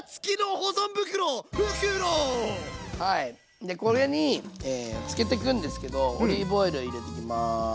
でこれにつけてくんですけどオリーブオイルを入れていきます。